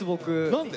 何で？